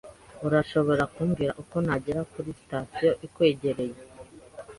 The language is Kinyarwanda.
Urashobora kumbwira uko nagera kuri sitasiyo ikwegereye?